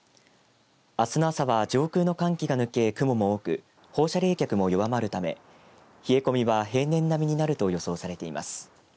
あすの朝は上空の寒気が抜け雲も多く放射冷却も弱まるため冷え込みは平年並みになると予想されています。